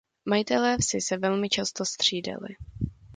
Majitelé vsi se velmi často střídali.